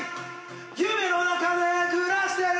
夢の中で暮らしてる